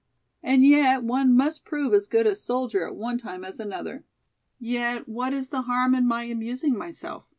And yet one must prove as good a soldier at one time as another. Yet what is the harm in my amusing myself?